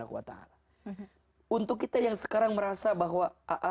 untuk kita yang sekarang merasa bahwa